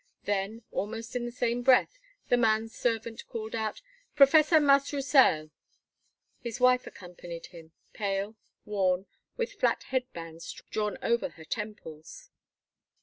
Then, almost in the same breath, the manservant called out: "Professor Mas Roussel." His wife accompanied him, pale, worn, with flat headbands drawn over her temples.